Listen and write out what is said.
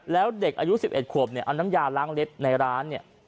แล้วเด็กอายุ๑๑ขวบเนี่ยเอาน้ำยาล้างเล็บในร้านเนี่ย